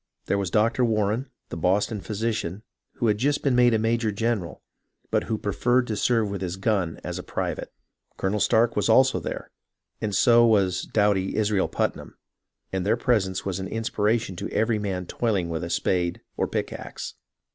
There was Doctor Warren, the Boston physician, who had just been made a major general, but who preferred to serve with his gun as a private. Colonel Stark also was there, and so was doughty Israel Putnam, and their presence was an inspiration to every man toiling with a spade or pickaxe.